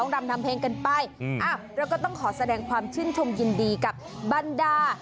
ดีกว่าเราก็ต้องขอแสดงความชื่นชมยินดีกับบรรดา